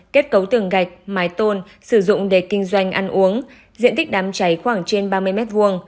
kết cấu tường gạch mái tôn sử dụng để kinh doanh ăn uống diện tích đám cháy khoảng trên ba mươi m hai